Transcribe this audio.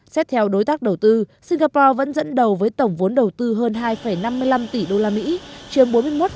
xét theo đối tác đầu tư singapore vẫn dẫn đầu với tổng vốn đầu tư hơn hai năm mươi năm tỷ usd chiếm bốn mươi một tám